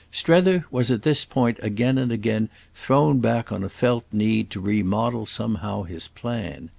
Strether was at this period again and again thrown back on a felt need to remodel somehow his plan.